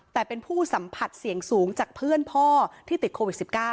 แต่เป็นผู้สัมผัสเสี่ยงสูงจากเพื่อนพ่อที่ติดโควิด๑๙